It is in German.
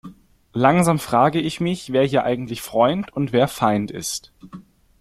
Langsam frage ich mich, wer hier eigentlich Freund und wer Feind ist.